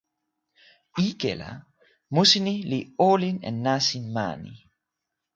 ike la, musi ni li olin e nasin mani.